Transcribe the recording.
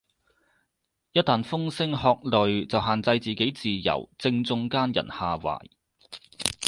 一但風聲鶴唳就限制自己自由，正中奸人下懷